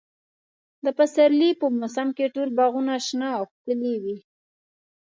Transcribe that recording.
د پسرلي په موسم کې ټول باغونه شنه او ښکلي وي.